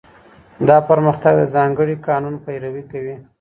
دا پرمختګ د ځانګړي قانون پیروي کوي.